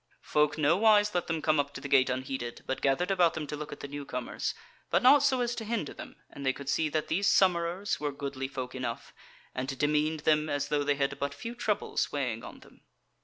Folk nowise let them come up to the gate unheeded, but gathered about them to look at the newcomers, but not so as to hinder them, and they could see that these summerers were goodly folk enough, and demeaned them as though they had but few troubles weighing on them.